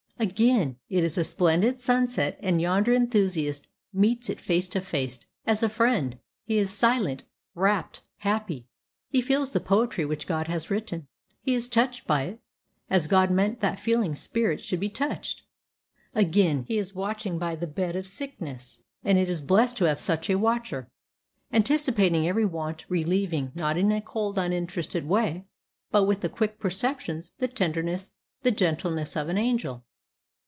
Again, it is a splendid sunset, and yonder enthusiast meets it face to face, as a friend. He is silent rapt happy. He feels the poetry which God has written; he is touched by it, as God meant that the feeling spirit should be touched. Again, he is watching by the bed of sickness, and it is blessed to have such a watcher! anticipating every want; relieving, not in a cold, uninterested way, but with the quick perceptions, the tenderness, the gentleness of an angel.